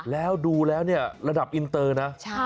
แล้วดูแล้วเนี่ยระดับอินเตอร์นะ